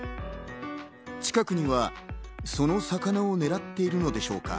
近くにはその魚をねらっているのでしょうか。